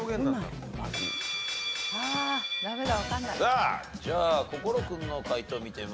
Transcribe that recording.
さあじゃあ心君の解答見てみますか。